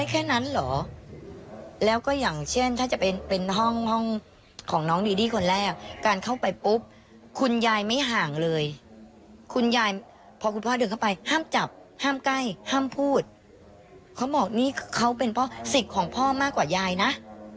เขาเป็นเพราะสิทธิ์ของพ่อมากกว่ายายนะ